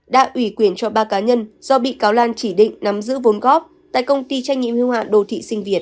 đã ủy quyền cho ba cá nhân do bị cáo lan chỉ định nắm giữ vốn góp tại công ty trách nhiệm hưu hạn đồ thị sinh việt